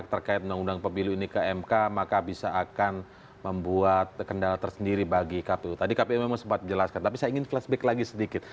saya sempat menjelaskan tapi saya ingin flashback lagi sedikit